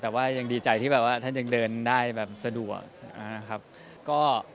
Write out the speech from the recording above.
แต่ยังดีใจที่ท่านท่านยังเดินได้แบบสะดวก